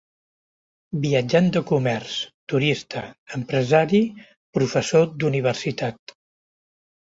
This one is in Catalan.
Viatjant de comerç, turista, empresari, professor d'universitat...